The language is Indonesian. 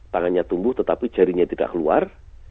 tangannya tumbuh tetapi jarinya tidak keluar